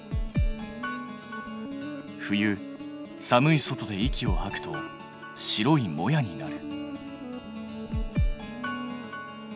冬寒い外で息をはくと白いモヤになる。